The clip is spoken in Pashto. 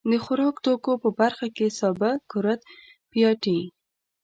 د خوراکتوکو په برخه کې سابه، کورت، پياټي.